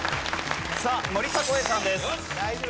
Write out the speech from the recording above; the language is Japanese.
さあ森迫永依さんです。